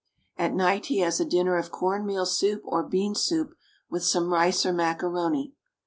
At night he has a dinner of corn meal soup or bean soup, with some rice or macaroni.